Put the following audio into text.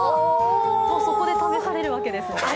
そこで試されるわけですね。